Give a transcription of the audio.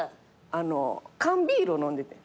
缶ビールを飲んでてん。